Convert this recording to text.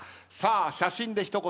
写真で一言